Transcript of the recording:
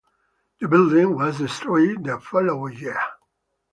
The building was destroyed the following year.